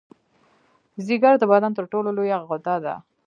ځیګر د بدن تر ټولو لویه غده ده